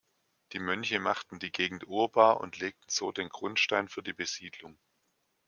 Die Mönche machten die Gegend urbar und legten so den Grundstein für die Besiedlung.